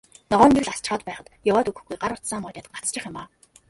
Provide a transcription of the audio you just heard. Ногоон гэрэл асчхаад байхад яваад өгөхгүй, гар утсаа маажаад гацчих юм аа.